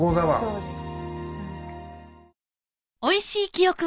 そうです。